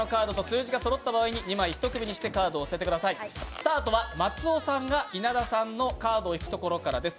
スタートは松尾さんが稲田さんのカードを引くところからです。